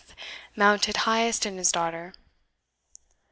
mounted highest in his daughter.